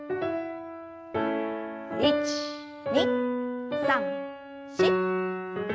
１２３４。